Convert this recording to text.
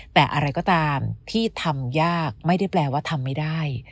แต่อะไรก็ตามที่ทำยากไม่ได้แปลว่าทำไม่ได้